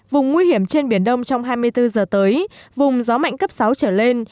vùng nguy hiểm trên biển đông trong hai mươi bốn giờ tới vùng gió mạnh cấp sáu trở lên